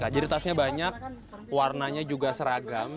jadi tasnya banyak warnanya juga seragam